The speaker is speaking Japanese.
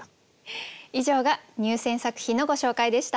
以上が入選作品のご紹介でした。